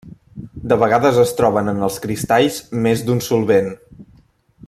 De vegades es troben en els cristalls més d'un solvent.